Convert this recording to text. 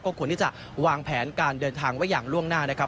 ควรที่จะวางแผนการเดินทางไว้อย่างล่วงหน้านะครับ